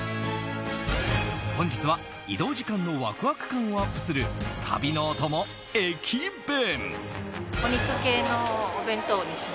本日は移動時間のワクワク感をアップする旅のお供、駅弁！